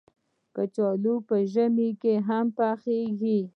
کچالو په ژمي کې هم پخېږي